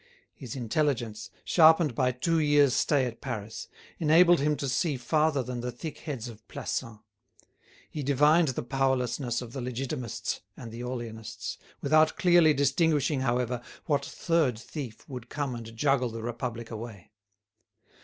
His intelligence, sharpened by two years' stay at Paris, enabled him to see farther than the thick heads of Plassans. He divined the powerlessness of the Legitimists and Orleanists, without clearly distinguishing, however, what third thief would come and juggle the Republic away.